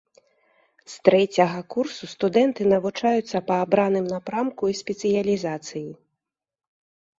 З трэцяга курсу студэнты навучаюцца па абраным напрамку і спецыялізацыі.